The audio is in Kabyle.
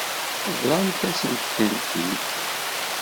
Bḍant-asent-tent-id.